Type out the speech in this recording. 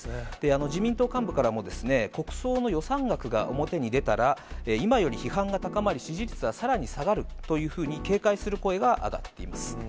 自民党幹部からも国葬の予算額が表に出たら、今より批判が高まり、支持率はさらに下がるというふうに警戒する声が上がっています。